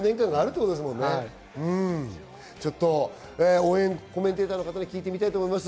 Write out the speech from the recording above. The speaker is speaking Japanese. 応援コメンテーターの方に聞いてみたいと思います。